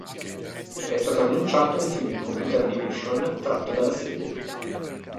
È stato annunciato un film in computer animation tratto dalla serie.